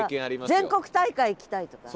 全国大会行きたいとか。